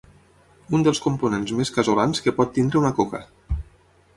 Un dels components més casolans que pot tenir una coca.